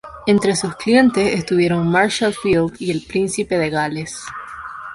Entre sus clientes estuvieron Marshall Field y el Príncipe de Gales.